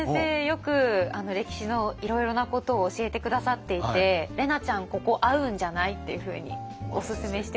よく歴史のいろいろなことを教えて下さっていて「怜奈ちゃんここ合うんじゃない？」っていうふうにおすすめしてもらいました。